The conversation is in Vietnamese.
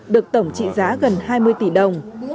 được tổng trị giá gần hai mươi tỷ đồng